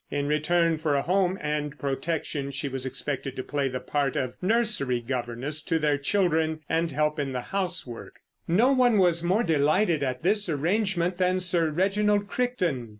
In return for a home and protection she was expected to play the part of nursery governess to their children and help in the housework. No one was more delighted at this arrangement than Sir Reginald Crichton.